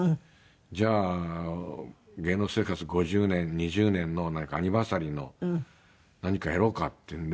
「じゃあ芸能生活５０年２０年のアニバーサリーの何かやろうか」っていうので。